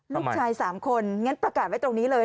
ลูกชาย๓คนงั้นประกาศไว้ตรงนี้เลย